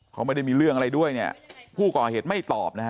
เขาไม่ได้มีเรื่องอะไรด้วยเนี่ยผู้ก่อเหตุไม่ตอบนะฮะ